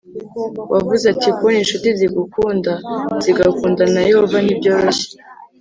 Wavuze ati kubona incuti zigukunda zigakunda na yehova ntibyoroshye